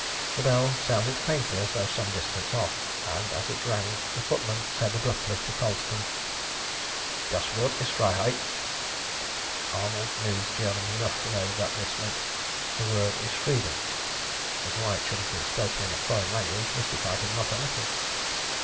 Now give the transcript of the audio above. The bell sounded faintly as though some distance off, and as it rang the footman said abruptly to Colston "Das Wort ist Freiheit." Arnold knew German enough to know that this meant "The word is 'Freedom,'" but why it should have been spoken in a foreign language mystified him not a little.